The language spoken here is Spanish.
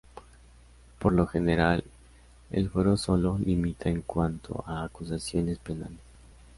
Por lo general, el fuero sólo limita en cuanto a acusaciones penales.